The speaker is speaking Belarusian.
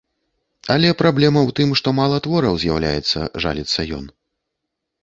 Але праблема ў тым, што мала твораў з'яўляецца, жаліцца ён.